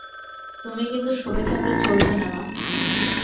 তুমি কিন্তু সরে থাকলে চলবে না মা!